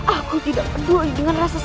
aku tidak peduli dengan rasa sakit ini